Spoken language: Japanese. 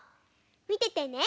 みててね。